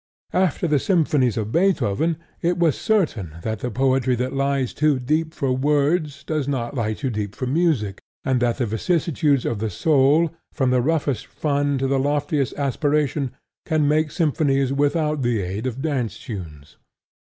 After the symphonies of Beethoven it was certain that the poetry that lies too deep for words does not lie too deep for music, and that the vicissitudes of the soul, from the roughest fun to the loftiest aspiration, can make symphonies without the aid of dance tunes.